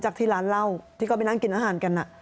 ที่ร้านเหล้าที่เขาไปนั่งกินอาหารกัน